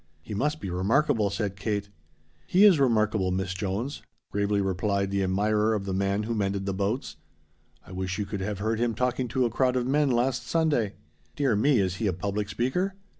"He must be remarkable," said Kate. "He is remarkable, Miss Jones," gravely replied the admirer of the man who mended the boats. "I wish you could have heard him talking to a crowd of men last Sunday." "Dear me is he a public speaker?"